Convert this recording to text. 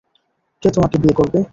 কে তোমাকে বিয়ে করবে?